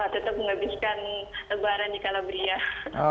tetap menghabiskan lebaran di kalabriah